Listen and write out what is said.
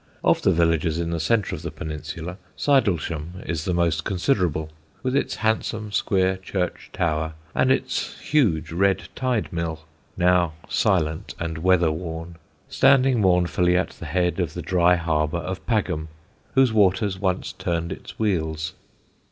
Of the villages in the centre of the peninsula Sidlesham is the most considerable, with its handsome square church tower and its huge red tide mill, now silent and weather worn, standing mournfully at the head of the dry harbour of Pagham, whose waters once turned its wheels.